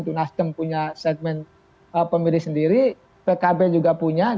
maksudnya itu naskem punya segmen pemilih sendiri pkb juga punya